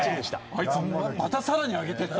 あいつまたさらに上げてった。